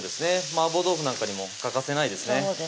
マーボー豆腐なんかにも欠かせないですね